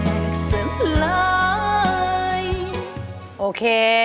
เพลงที่๒มาเลยครับ